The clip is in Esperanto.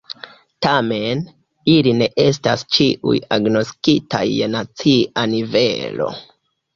Tamen, ili ne estas ĉiuj agnoskitaj je nacia nivelo.